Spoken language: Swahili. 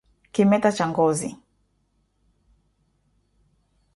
Kimeta cha ngozi